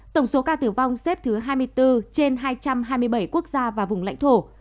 tổng số ca tử vong xếp thứ hai mươi bốn trên hai trăm hai mươi bảy quốc gia và vùng lãnh thổ